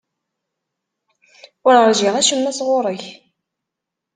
Ur ṛjiɣ acemma sɣur-k.